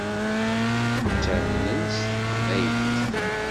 Ttamnen s teqbaylit.